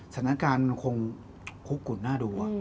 สถานการณ์มันคงคุกกุ่นน่าดู